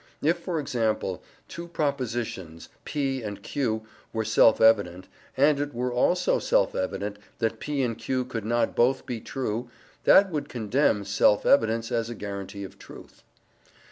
If, for example, two propositions p and q were self evident, and it were also self evident that p and q could not both be true, that would condemn self evidence as a guarantee of truth.